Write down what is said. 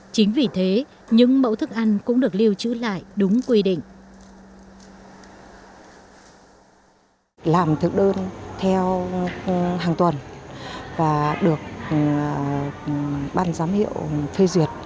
chính vì thế những mẫu thức ăn cũng được lưu trữ lại đúng quy định